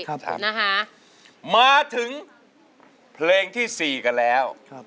ครับมาถึงเพลงที่๔กันแล้ว